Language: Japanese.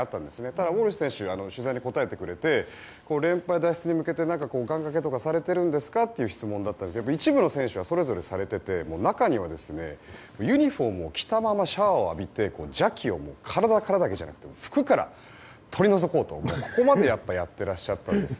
ただ選手が取材に答えてくれて連敗脱出に向けて、何か願掛けとかされてるんですか？という質問だったんですが一部の選手はされていて中にはユニホームを着たままシャワーを浴びて邪気を服から取り除こうと、ここまでやっていらっしゃったんです。